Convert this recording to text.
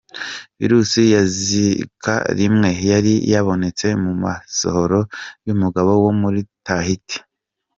Virus ya Zika rimwe yari yabonetse mu masohoro y’umugabo wo muri Tahiti.